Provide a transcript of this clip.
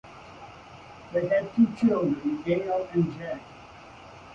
They had two children: Gail and Jay.